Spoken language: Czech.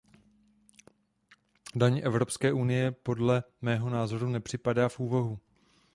Daň Evropské unie podle mého názoru nepřipadá v úvahu.